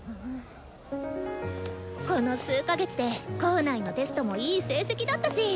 この数か月で校内のテストもいい成績だったし！